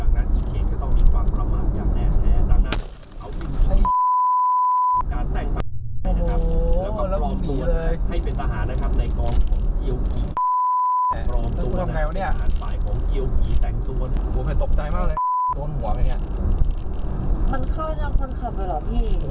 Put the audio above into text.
มันค่อยนำคนขับไปเหรอพี่